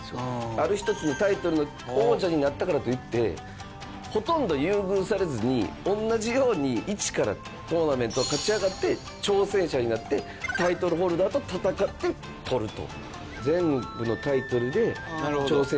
ある１つのタイトルの王者になったからといってほとんど優遇されずに同じように、一からトーナメントを勝ち上がって挑戦者になってタイトルホルダーと戦ってとると。